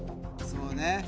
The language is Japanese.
そうね